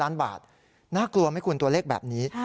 ล้านบาทน่ากลัวไหมคุณตัวเลขแบบนี้